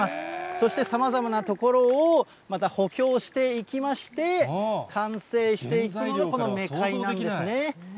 そしてさまざまな所をまた補強していきまして、完成していくのが、このメカイなんですね。